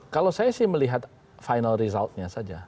kalau saya sih melihat final result nya saja